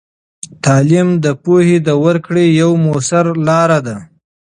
تعلیم د پوهې د ورکړې یوه مؤثره لاره ده.